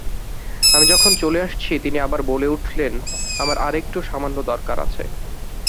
আমি যখন চলে আসছি তিনি আবার বলে উঠলেন, আমার আর-একটু সামান্য দরকার আছে।